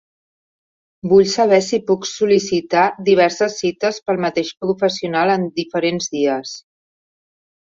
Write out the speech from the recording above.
Vull saber si puc sol·licitar diverses cites pel mateix professional en diferents dies.